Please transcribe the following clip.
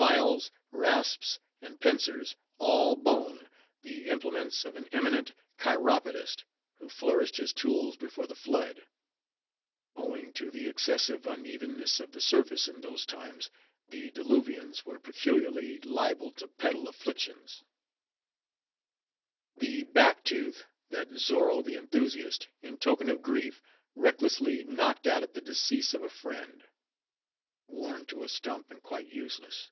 Files, Rasps, and Pincers, all bone, the implements of an eminent Chiropedist, who flourished his tools before the flood. (Owing to the excessive unevenness of the surface in those times, the diluvians were peculiarly liable to pedal afflictions). The back Tooth, that Zozo the Enthusiast, in token of grief, recklessly knocked out at the decease of a friend. (Worn to a stump and quite useless).